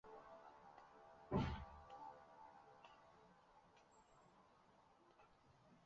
接地常数会随各地区的土壤化学成份以及密度而不同。